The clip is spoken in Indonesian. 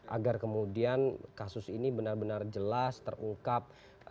agar kemudian kasus ini benar benar jelas terungkap